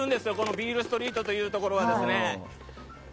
ビールストリートというところは。